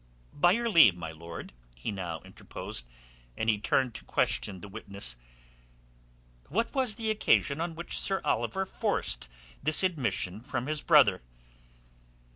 "By your leave, my lord," he now interposed, and he turned to question the witness. "What was the occasion on which Sir Oliver forced this admission from his brother?"